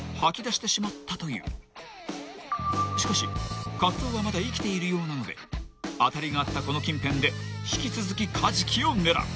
［しかしカツオはまだ生きているようなので当たりがあったこの近辺で引き続きカジキを狙う］